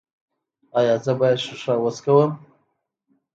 ایا زه باید شیشه وڅکوم؟